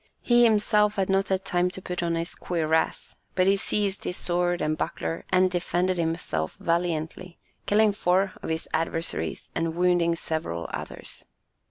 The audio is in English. He himself had not had time to put on his cuirass, but he seized his sword and buckler and defended himself valiantly, killing four of his adversaries and wounding several others.